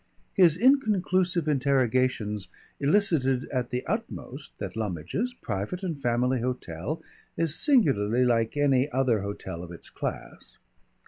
His inconclusive interrogations elicited at the utmost that Lummidge's Private and Family Hotel is singularly like any other hotel of its class.